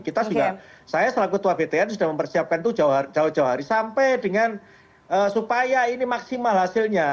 kita juga saya selaku ketua btn sudah mempersiapkan itu jauh jauh hari sampai dengan supaya ini maksimal hasilnya